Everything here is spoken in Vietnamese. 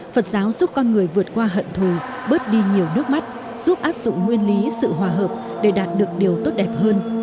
phật giáo giúp con người vượt qua hận thù bớt đi nhiều nước mắt giúp áp dụng nguyên lý sự hòa hợp để đạt được điều tốt đẹp hơn